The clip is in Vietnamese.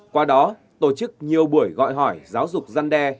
qua đó tổ chức nhiều buổi gọi hỏi giáo dục gian đe